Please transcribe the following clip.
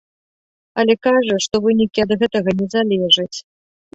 Але кажа, што вынікі ад гэтага не залежаць.